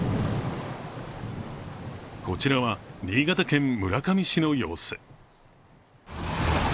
こちらは新潟県村上市の様子。